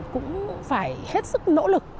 cũng phải hết sức nỗ lực